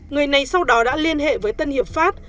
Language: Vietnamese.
người này sau đó đã liên hệ với tân hiệp pháp